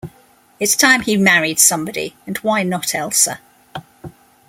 It's time he married somebody, and why not Elsa?